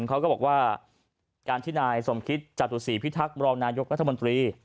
เขาก็บอกว่าการที่นายสมคิดจัดสู่สีพิทักษ์บรรณายกรรธมนตรี